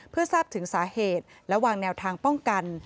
เพื่อทราบถึงสาเหตุและวางแนวทางป้องกัน